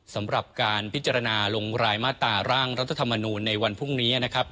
สำหรับการพิจารณาลงรายมาตราร่างรัฐธรรมนูลในวันพรุ่งนี้นะครับ